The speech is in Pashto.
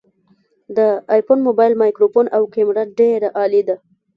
د آیفون مبایل مایکروفون او کامره ډیره عالي ده